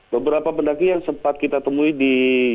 beberapa pendaki yang sempat kita temui di